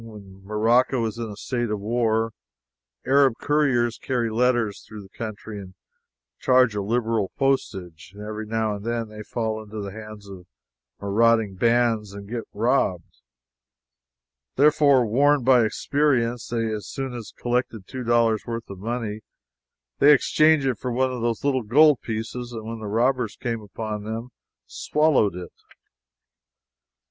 When Morocco is in a state of war, Arab couriers carry letters through the country and charge a liberal postage. Every now and then they fall into the hands of marauding bands and get robbed. Therefore, warned by experience, as soon as they have collected two dollars' worth of money they exchange it for one of those little gold pieces, and when robbers come upon them, swallow it.